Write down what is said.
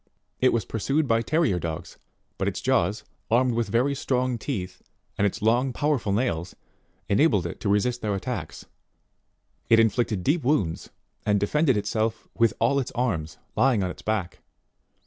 It was pursued by terrier dogs; but its jaws, armed with very strong teeth, and its long power ful nails enabled it to resist their attacks ; it inflicted deep wounds, and defended itself with all its arms, lying on its back.